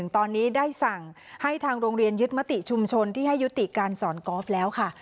ตอนนี้ได้สั่งให้ทางโรงเรียนยึดมติชุมชนที่ให้ยุติการสอนกอล์ฟแล้วค่ะ